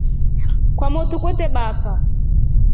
Kwamotu kwetre baka.